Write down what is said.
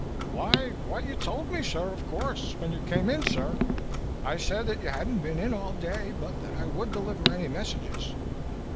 "Why, what you told me, sir, of course, when you came in, sir. I said that you hadn't been in all day, but that I would deliver any messages."